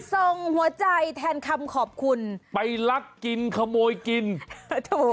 ทรงหัวใจแทนคำขอบคุณไปรักกินขโมยกินถูก